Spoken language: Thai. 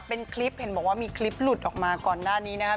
เป็นคลิปเห็นบอกว่ามีคลิปหลุดออกมาก่อนหน้านี้นะครับ